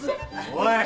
おい！